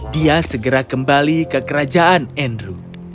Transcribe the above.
dia segera kembali ke kerajaan andrew